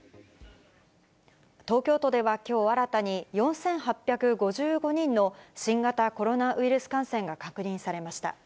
東京都ではきょう、新たに４８５５人の新型コロナウイルス感染が確認されました。